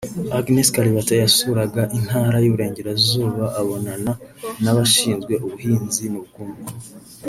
Agnes Kalibata yasuraga intara y’Iburengerezazuba abonana n’abashinzwe ubuhinzi n’ubukungu